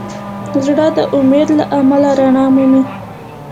زړه د امید له امله رڼا مومي.